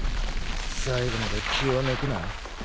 最後まで気を抜くな。